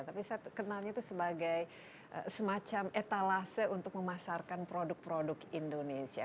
tapi saya kenalnya itu sebagai semacam etalase untuk memasarkan produk produk indonesia